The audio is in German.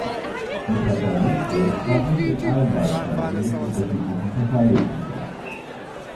Die Partei Venstre trat nicht in allen Wahlkreisen mit unterschiedlichen Parteilisten an.